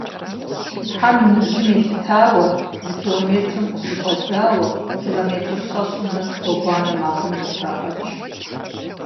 Хьэм и ныбжьым елъытауэ, зы километрым къыщыщӀэдзауэ, километр щэщӏым нэс гъуэгуанэ махуэм зэпрагъэч.